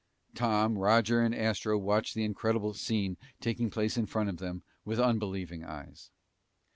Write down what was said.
Tom, Roger, and Astro watched the incredible scene taking place in front of them with unbelieving eyes.